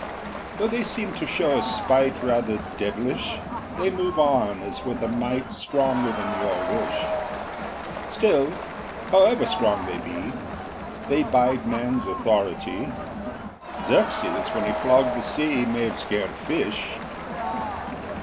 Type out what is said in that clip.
Though they seem to show a spite Rather devilish, They move on as with a might Stronger than your wish. Still, however strong they be, They bide man's authority: Xerxes, when he flogged the sea, May've scared a fish.